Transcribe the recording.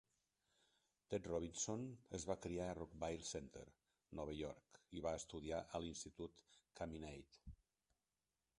Ted Robinson es va criar a Rockville Centre, Nova York i va estudiar a l'institut Chaminade.